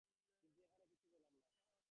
কিন্তু এখানে কিছু পেলাম না।